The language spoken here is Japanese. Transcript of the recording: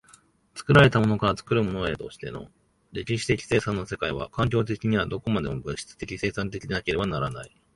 作られたものから作るものへとしての歴史的生産の世界は、環境的にはどこまでも物質的生産的でなければならない。